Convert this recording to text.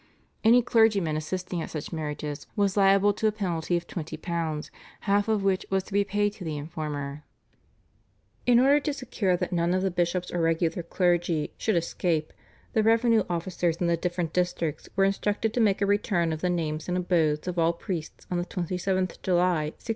Any clergyman assisting at such marriages was liable to a penalty of £20, half of which was to be paid to the informer. In order to secure that none of the bishops or regular clergy should escape, the revenue officers in the different districts were instructed to make a return of the names and abodes of all priests on the 27th July 1697.